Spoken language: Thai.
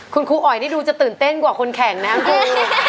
คุณครูอ๋อยนี่ดูจะตื่นเต้นกว่าคนแข่งนะครับ